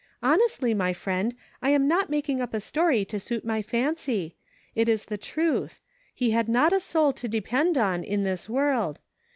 Honestly, my friend, I am not making up a story to suit my fancy ; it is the truth ; he had not a soul to depend on in this world.